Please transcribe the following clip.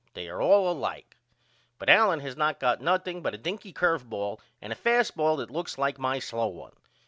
They are all alike. But Allen has not got nothing but a dinky curve ball and a fast ball that looks like my slow one.